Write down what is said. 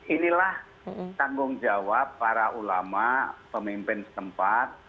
inilah tanggung jawab para ulama pemimpin setempat